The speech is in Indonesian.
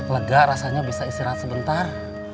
lega rasanya bisa istirahat sebentar